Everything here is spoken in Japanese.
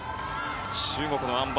中国のあん馬